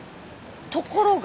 ところが。